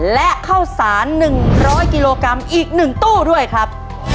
และข้าวสาร๑๐๐กิโลกรัมอีก๑ตู้ด้วยครับ